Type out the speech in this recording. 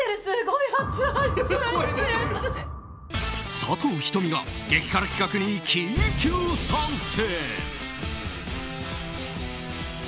佐藤仁美が激辛企画に緊急参戦！